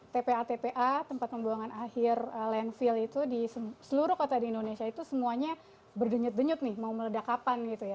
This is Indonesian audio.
tpa tpa tempat pembuangan akhir landfill itu di seluruh kota di indonesia itu semuanya berdenyut denyut nih mau meledak kapan gitu ya